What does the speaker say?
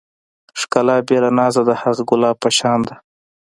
ښکلا بې له نازه د هغه ګلاب په شان ده.